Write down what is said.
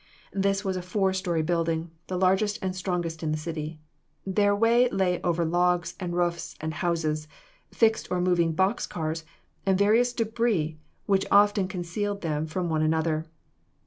This was a four story building, the largest and strongest in the city. Their way lay over logs and roofs and houses, fixed or moving box cars, and various debris which often concealed them from one another.